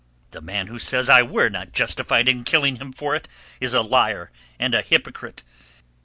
The man who says I were not justified in having killed him for it is a liar and a hypocrite.